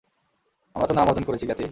আমরা তো নাম অর্জন করেছি, ক্যাথি।